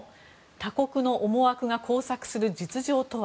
他国の思惑が交錯する実情とは。